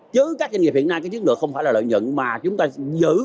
chứ các doanh nghiệp hiện nay cái chức lực không phải là lợi nhận mà chúng ta giữ